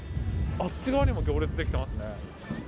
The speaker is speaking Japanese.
あっち側にも行列できてますね。